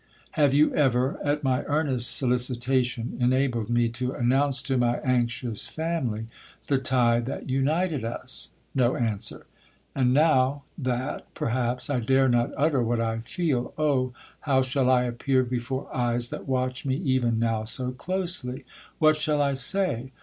—'Have you ever, at my earnest solicitation, enabled me to announce to my anxious family the tie that united us?'—No answer.—'And now—that—perhaps—I dare not utter what I feel! Oh! how shall I appear before eyes that watch me even now so closely?—what shall I say?